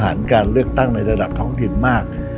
สถานการณ์เลือกตั้งในระดับท้องเดียนมาก